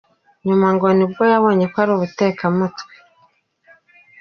Nyuma ngo nibwo yabonye ko ari ubutekamutwe.